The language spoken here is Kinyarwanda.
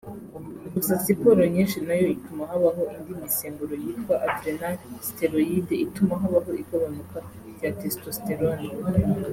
Gusa siporo nyinshi nayo ituma habaho indi misemburo yitwa ‘adrenal steroid’ ituma habaho igabanuka rya ‘testosterone’